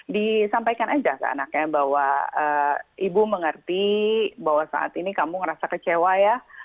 disampaikan aja ke anaknya bahwa ibu mengerti bahwa saat ini kamu ngerasa kecewa ya